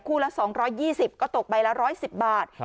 ละ๒๒๐ก็ตกใบละ๑๑๐บาท